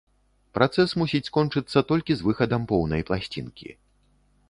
Працэс мусіць скончыцца толькі з выхадам поўнай пласцінкі.